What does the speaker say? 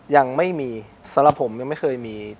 ยังไม่มีสำหรับผมยังไม่เคยมี